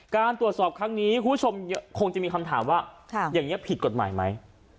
การตรวจสอบครั้งนี้คุณผู้ชมคงจะมีคำถามว่าอย่างนี้ผิดกฎหมายไหม